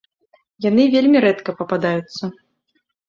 Яны вельмі рэдка пападаюцца.